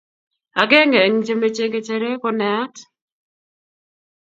agenge eng che mechei ngecheree ko naat